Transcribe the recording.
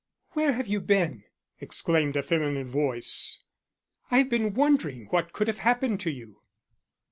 "Where have you been?" exclaimed a feminine voice. "I have been wondering what could have happened to you."